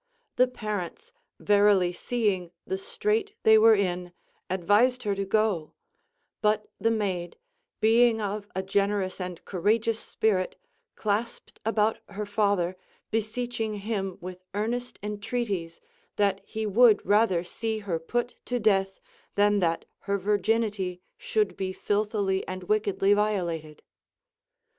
The parents verily seeing the strait they were in advised her to go ; but the maid, being of a generous and courageous spirit, clasped about her father, beseeching him with earnest entreaties that he would rather see her put to death than that her virginity should be filthily and Avickedly violated.